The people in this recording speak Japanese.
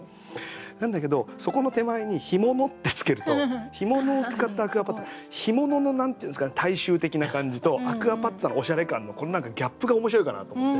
なんだけどそこの手前に「干物」ってつけると干物を使ったアクアパッツァ干物の何て言うんですかね大衆的な感じとアクアパッツァのおしゃれ感のこの何かギャップが面白いかなと思って。